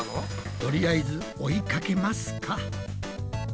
とりあえず追いかけますか。